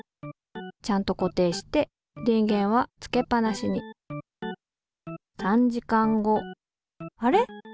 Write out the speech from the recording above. ちゃんと固定して電源はつけっぱなしにあれ？